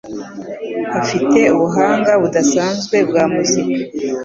Afite ubuhanga budasanzwe bwa muzika.